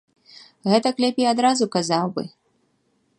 Гэтак лепей адразу казаў бы!